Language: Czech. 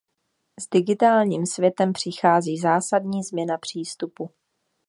S digitálním světem přichází zásadní změna přístupu.